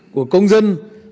của công dân